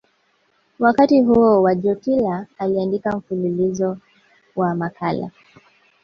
Wakati huo Wojtyla aliandika mfululizo wa makala